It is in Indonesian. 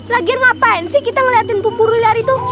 lagian ngapain sih kita ngeliatin pupur liar itu